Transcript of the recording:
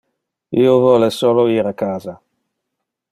Io vole solo ir a casa.